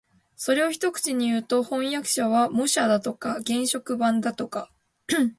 それを一口にいうと、飜訳者は模写だとか原色版だとか